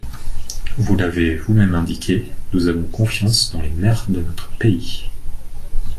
Vous l’avez vous-même indiqué, nous avons confiance dans les maires de notre pays.